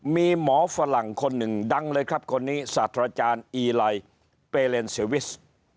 มีหมอฝรั่งคนหนึ่งดังเลยครับคนนี้ศาสตราจารย์อีไลเปเลนเซวิส